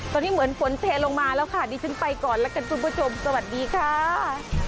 ตอนนี้เหมือนฝนเทลงมาแล้วค่ะดิฉันไปก่อนแล้วกันคุณผู้ชมสวัสดีค่ะ